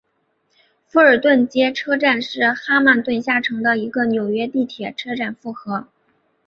福尔顿街车站是曼哈顿下城的一个纽约地铁车站复合。